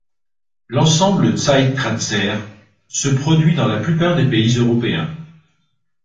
L'ensemble Zeitkratzer se produit dans la plupart des pays européens.